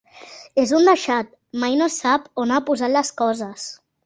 És un deixat: mai no sap on ha posat les coses.